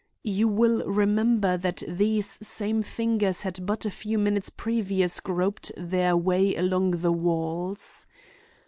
(You will remember that these same fingers had but a few minutes previous groped their way along the walls.)